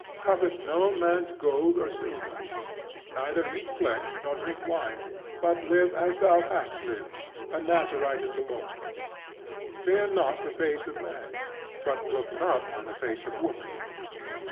Covet no man's gold or silver. Neither eat flesh nor drink wine, but live as thou hast lived a Nazarite of the Lord. Fear not the face of man; but look not on the face of woman.